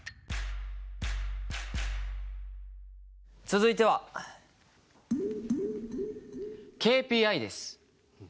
続いては「ＫＰＩ」です。